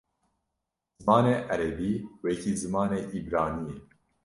Zimanê erebî wekî zimanê îbranî ye.